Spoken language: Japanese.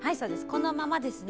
このままですね。